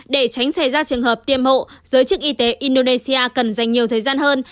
để tránh xảy ra trường hợp tiêm hộ giới chức y tế indonesia cần dành nhiều thời gian hơn